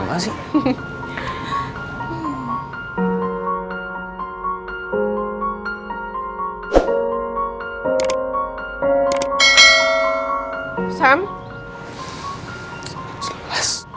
kok dia pake baju sma sih